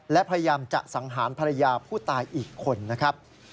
และพยายามจะสังหารภรรยาผู้ตายอีกคนนะครับ